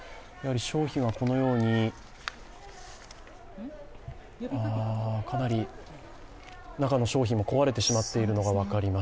商品はこのようにかなり、中の商品も壊れてしまっているのが分かります。